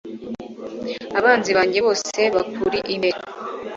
abanzi banjye bose bakuri imbere